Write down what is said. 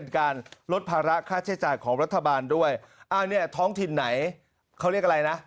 การลดภาระค่าใช้จ่ายของรัฐบาลด้วยอ้าวเนี่ยท้องถิ่นไหนเขาเรียกอะไรนะ